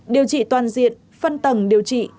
điều trị toàn diện phân tầng điều trị